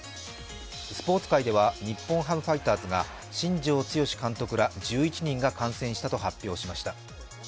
スポーツ界では日本ハムファイターズが新庄剛志監督ら１１人が感染したと発表しました。